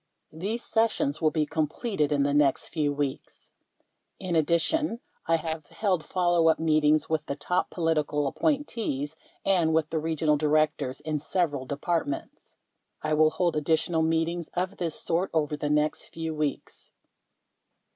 These sessions will be completed in the next few weeks. In addition, I have held follow up meetings with the top political appointees and with the Regional Directors in several Departments. I will hold additional meetings of this sort over the next few weeks.